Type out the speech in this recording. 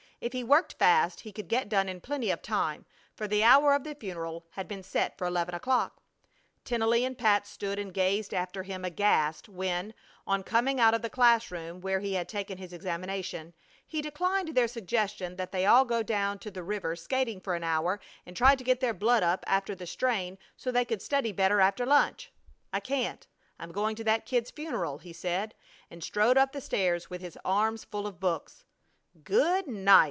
If he worked fast he could get done in plenty of time, for the hour of the funeral had been set for eleven o'clock. Tennelly and Pat stood and gazed after him aghast when, on coming out of the class room where he had taken his examination, he declined their suggestion that they all go down to the river skating for an hour and try to get their blood up after the strain so they could study better after lunch. "I can't! I'm going to that kid's funeral!" he said, and strode up the stairs with his arms full of books. "Good night!"